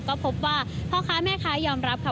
ก็พบว่าพ่อค้าแม่ค้ายอมรับค่ะ